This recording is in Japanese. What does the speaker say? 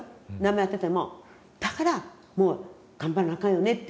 だからもう頑張らなあかんよねって。